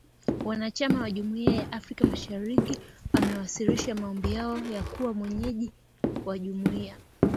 wanachama wa Jumuiya ya Afrika Mashariki wamewasilisha maombi yao ya kuwa mwenyeji wa jumuiya